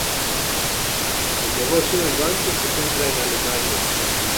El negocio del banco se centra en Alemania.